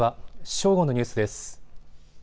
正午のニュースです。